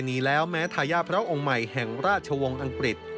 นี้แล้วแม้ทายาทพระองค์ใหม่แห่งราชวงศ์อังกฤษ